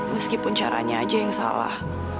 meskipun caranya aja yang salah